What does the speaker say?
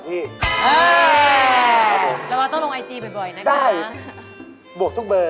นี่คือข้าวหอมเบอร์รี่นะฮะ